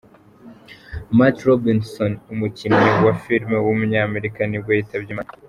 Matt Robinson, umukinnyi wa film w’umunyamerika nibwo yitabye Imana.